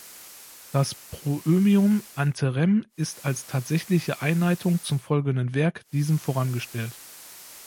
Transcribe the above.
Das Proömium "ante rem" ist als tatsächliche Einleitung zum folgenden Werk diesem vorangestellt.